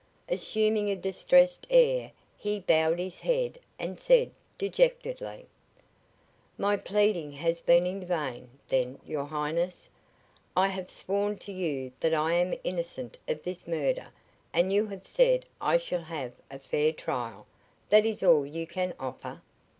Assuming a distressed air he bowed his head and said, dejectedly: "My pleading has been in vain, then, your Highness. I have sworn to you that I am innocent of this murder, and you have said I shall have a fair trial. That is all you can offer?"